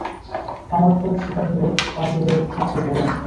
আমার পরের শিকার হলো পাজলের সবচেয়ে বড় অংশ।